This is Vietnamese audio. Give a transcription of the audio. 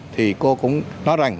thì cô cũng nói rằng